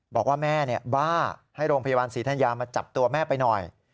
บอกว่าแม่เนี้ยบ้าให้โรงพยาบาลสีท่านยามาจับตัวแม่ไปหน่อย